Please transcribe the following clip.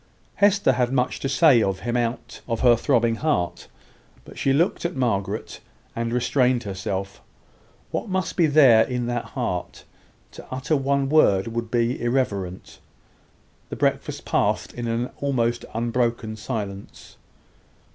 Hester had much to say of him out of her throbbing heart; but she looked at Margaret, and restrained herself. What must there be in that heart? To utter one word would be irreverent. The breakfast passed in an almost unbroken silence.